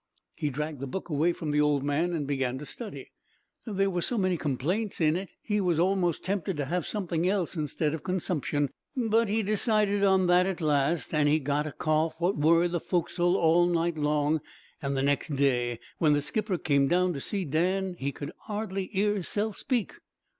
"He dragged the book away from the old man, and began to study. There was so many complaints in it he was almost tempted to have something else instead of consumption, but he decided on that at last, an' he got a cough what worried the foc'sle all night long, an' the next day, when the skipper came down to see Dan, he could 'ardly 'ear hisself speak.